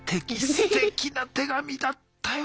すてきな手紙だったよ。